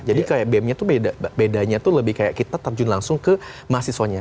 jadi kayak bem nya tuh bedanya tuh lebih kaya kita terjun langsung ke mahasiswanya